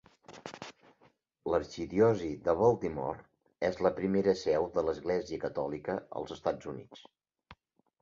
L'arxidiòcesi de Baltimore és la primera seu de l'Església Catòlica als Estats Units.